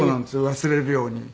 忘れるように病を。